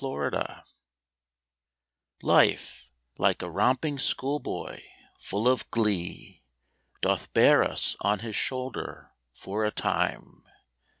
LIFE Life, like a romping schoolboy, full of glee, Doth bear us on his shoulder for a time.